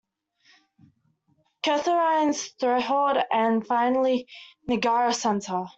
Catharines-Thorold and finally Niagara Centre.